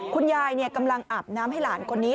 คุณยายกำลังอาบน้ำให้หลานคนนี้